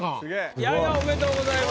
いやいやおめでとうございます。